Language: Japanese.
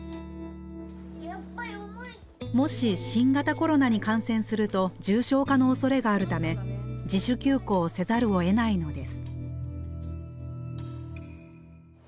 もし新型コロナに感染すると重症化のおそれがあるため自主休校せざるをえないのです。